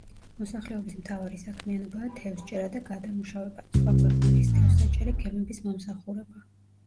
მოსახლეობის მთავარი საქმიანობაა თევზჭერა და გადამუშავება, სხვა ქვეყნების თევზსაჭერი გემების მომსახურება.